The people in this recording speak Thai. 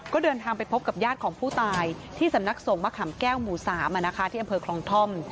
ก็เดินทางไปพบกับญาติของผู้ตายที่สำนักส่งมะขามแก้วหมู่๓ที่อำเภอคลองท่อม